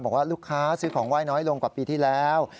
บอกว่าลูกค้าซื้อของไหว้น้อยลงกว่าปีที่แล้ว